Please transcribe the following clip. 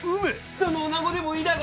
どの女子でもいいだが。